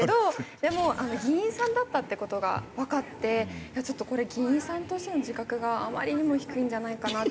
でも議員さんだったって事がわかってちょっとこれ議員さんとしての自覚があまりにも低いんじゃないかなって。